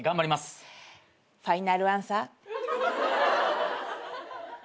あっファイナルアンサー。